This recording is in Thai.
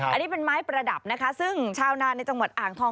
อันนี้เป็นไม้ประดับนะคะซึ่งชาวนานในจังหวัดอ่างทอง